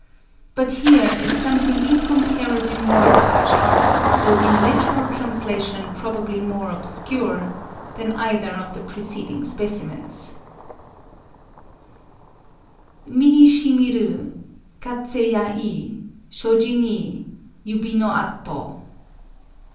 But here is something incomparably more touching,—though in literal translation probably more obscure,—than either of the preceding specimens;— Mi ni shimiru Kazé ya! Shōji ni Yubi no ato!